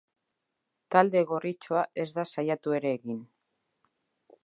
Talde gorritxoa ez da saiatu ere egin.